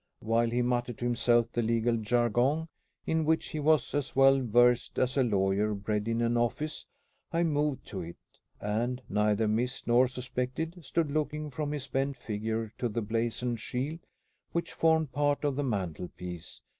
While he muttered to himself the legal jargon in which he was as well versed as a lawyer bred in an office, I moved to it; and, neither missed nor suspected, stood looking from his bent figure to the blazoned shield, which formed part of the mantelpiece.